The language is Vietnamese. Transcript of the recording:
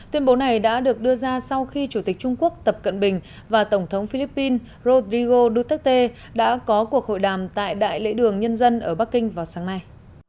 tuyên bố này đã được đưa ra sau khi chủ tịch trung quốc tập cận bình và tổng thống philippines rodrigo duterte đã có cuộc hội đàm tại đại lễ đường nhân dân ở bắc kinh vào sáng nay